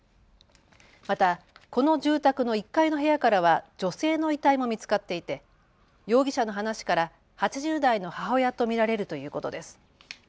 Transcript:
またこの住宅の１階の部屋からは女性の遺体も見つかっていて容疑者の話から８０代の母親と見られるということです。